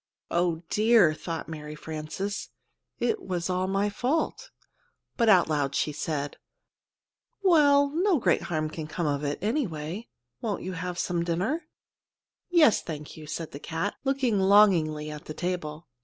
"Oh, dear," thought Mary Frances, "it was all my fault;" but out loud she said, "Well, no great harm can come of it, anyway. Won't you have some dinner?" "Yes, thank you," said the cat, looking longingly at the table.